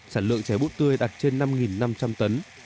sản lượng trẻ bút tươi đạt trên năm năm trăm linh tấn